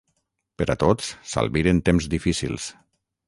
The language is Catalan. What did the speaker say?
Per a tots, s'albiren temps difícils.